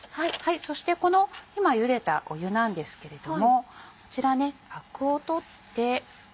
そしてこの今茹でた湯なんですけれどもこちらあくを取って。